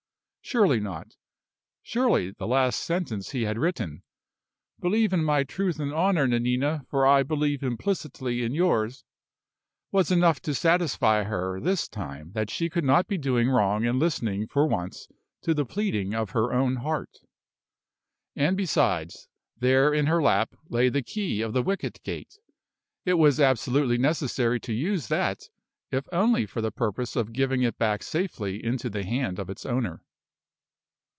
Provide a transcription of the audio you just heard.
Surely not surely the last sentence he had written, "Believe in my truth and honor, Nanina, for I believe implicitly in yours," was enough to satisfy her this time that she could not be doing wrong in listening for once to the pleading of her own heart. And besides, there in her lap lay the key of the wicket gate. It was absolutely necessary to use that, if only for the purpose of giving it back safely into the hand of its owner.